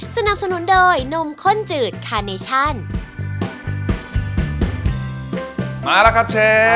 สวัสดีครับ